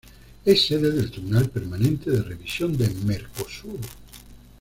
Es sede del Tribunal Permanente de Revisión del Mercosur.